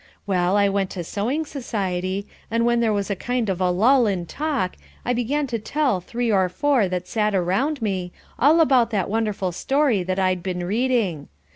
Well, I went to sewing society, and when there was a kind of a lull in talk, I began to tell three or four that sat around me, all about that wonderful story that I'd been reading.